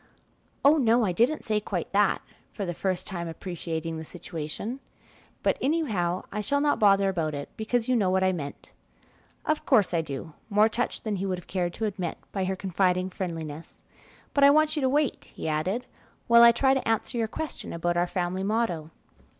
"Oh, no, I didn't say quite that," for the first time appreciating the situation; "but anyhow I shall not bother about it, because you know what I meant." "Of course I do," more touched than he would have cared to admit by her confiding friendliness; "but I want you to wait," he added, "while I try to answer your question about our family motto.